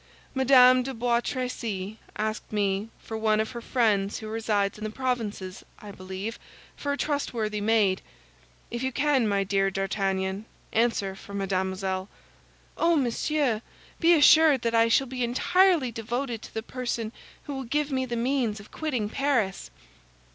Madame de Bois Tracy asked me, for one of her friends who resides in the provinces, I believe, for a trustworthy maid. If you can, my dear D'Artagnan, answer for Mademoiselle—" "Oh, monsieur, be assured that I shall be entirely devoted to the person who will give me the means of quitting Paris."